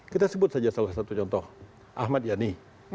kita sebut saja salah satu contoh ahmad yani